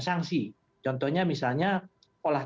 sanksi contohnya misalnya olah